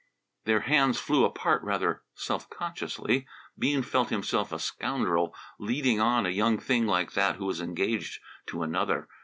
Their hands flew apart rather self consciously. Bean felt himself a scoundrel "leading on" a young thing like that who was engaged to another.